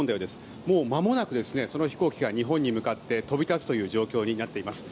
もうまもなくその飛行機が日本に向かって飛び立つという状況になっています。